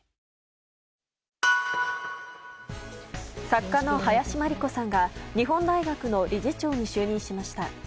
作家の林真理子さんが日本大学の理事長に就任しました。